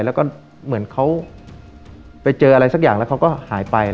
แล้วก็เหมือนเขาไปเจออะไรสักอย่างแล้วเขาก็หายไป